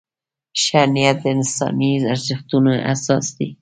ښه نیت د انساني ارزښتونو اساس دی.